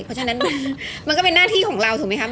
เพราะฉะนั้นมันก็เป็นหน้าที่ของเราถูกไหมครับ